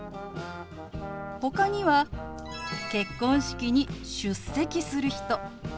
ほかには結婚式に出席する人。